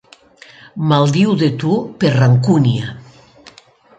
Maldiu de tu per rancúnia.